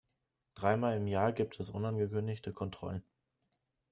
Dreimal im Jahr gibt es unangekündigte Kontrollen.